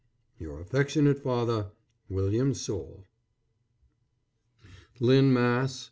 Your affectionate father, WILLIAM SOULE. LYNN, MASS.